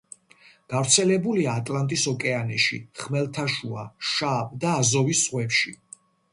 გავრცელებულია ატლანტის ოკეანეში, ხმელთაშუა, შავ და აზოვის ზღვებში.